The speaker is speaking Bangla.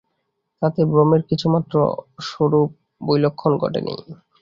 তাতে ব্রহ্মের কিছুমাত্র স্বরূপ-বৈলক্ষণ্য ঘটেনি।